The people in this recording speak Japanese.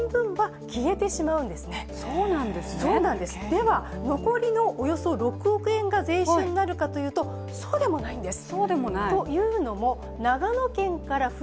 では、残りのおよそ６億円が税収になるかというと、そうでもないんです。